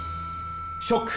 ショック！